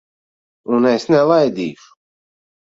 Un es nelaidīšu.